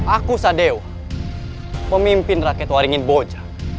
aku pradensa dewa pemimpin rakyat waringin boja